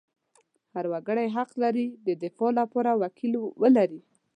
هر وګړی حق لري د دفاع لپاره وکیل ولري.